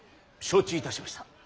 承知いたしました。